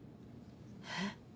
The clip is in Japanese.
えっ？